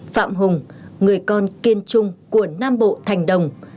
phạm hùng người con kiên trung của nam bộ thành đồng